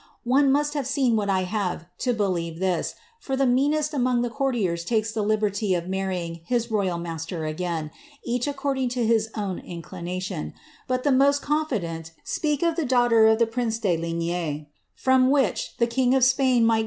One must have seen what I have to believe this, for the meanest among the courtiers takes the liberty of marrying his royal master again, each according to his own inclination ; but the most con fident speak of the daughter of the prince de Ligne,' from which tlie •Despatches of M.